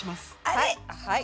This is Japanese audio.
はい。